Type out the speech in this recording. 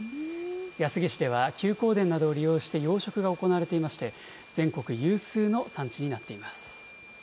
安来市では、休耕田などを利用して養殖が行われていまして、全国有数の産地になっています。